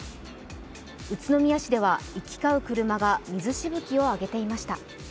宇都宮市では行き交う車が水しぶきを上げていました。